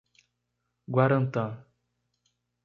Guarantã